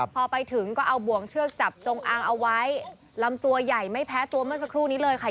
พอไปถึงก็เอาบ่วงเชือกจับจงอางเอาไว้ลำตัวใหญ่ไม่แพ้ตัวเมื่อสักครู่นี้เลยค่ะ